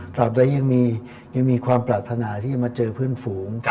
ได้ยังมีความปรารถนาที่จะมาเจอเพื่อนฝูง